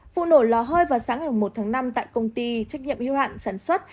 vụ nổ lò hơi vào sáng ngày một tháng năm tại công ty trách nhiệm hưu hạn sản xuất